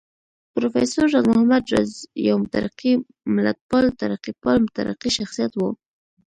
پروفېسر راز محمد راز يو مترقي ملتپال، ترقيپال مترقي شخصيت و